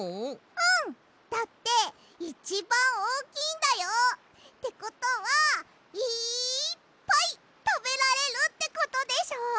うん！だっていちばんおおきいんだよ！ってことはいっぱいたべられるってことでしょ！